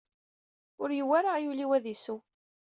Ur yewwi ara aɣyul ad d-isew.